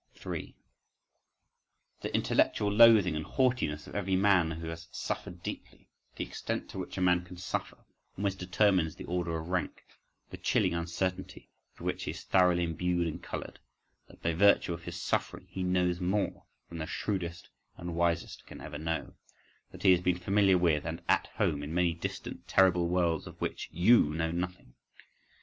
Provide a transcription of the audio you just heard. … 3. The intellectual loathing and haughtiness of every man who has suffered deeply—the extent to which a man can suffer, almost determines the order of rank—the chilling uncertainty with which he is thoroughly imbued and coloured, that by virtue of his suffering he knows more than the shrewdest and wisest can ever know, that he has been familiar with, and "at home" in many distant terrible worlds of which "you know nothing!"